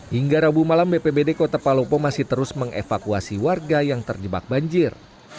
hingga rabu malam bpbd kota palopo masih terus mengevakuasi warga yang terjebak banjir